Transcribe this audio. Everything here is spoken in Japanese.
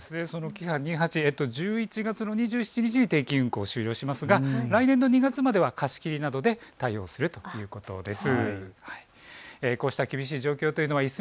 キハ２８、１１月の２７日に定期運行を終了しますが来年の２月までは貸し切りなどで対応するということです。